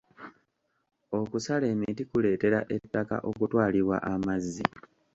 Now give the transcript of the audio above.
Okusala emiti kuleetera ettaka okutwalibwa amazzi.